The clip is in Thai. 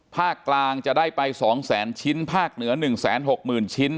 ภาคกลางจะได้ไป๒แสนชิ้นภาคเหนือ๑๖๐๐๐ชิ้น